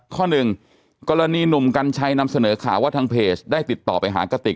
ข้อหนึ่งกรณีหนุ่มกัญชัยนำเสนอข่าวว่าทางเพจได้ติดต่อไปหากติก